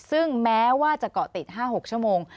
ซึ่งแม้ว่าจะเกาะติด๕๖ชั่วโมง